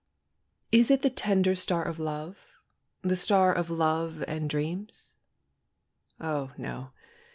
Is it the tender star of love? The star of love and dreams? Oh, no!